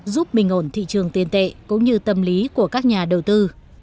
giúp bình ổn thị trường tiền tệ cũng như tâm lý của các nhà đầu tư